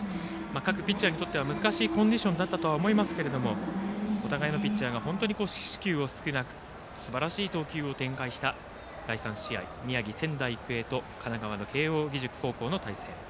各ピッチャーにとっては難しいコンディションだったと思いますがお互いのピッチャーが本当に四死球が少なくすばらしい投球を展開した第３試合、宮城・仙台育英と神奈川・慶応義塾高校の対戦。